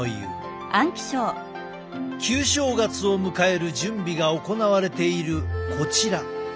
旧正月を迎える準備が行われているこちら。